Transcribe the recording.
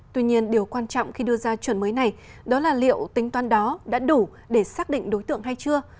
tuy nhiên điều quan trọng khi đưa ra chuẩn mới này đó là liệu tính toán đó đã đủ để xác định đối tượng hay chưa